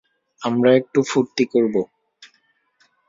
আমরা একটু ফুর্তি করব।